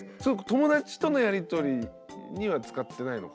友達とのやりとりには使ってないのか。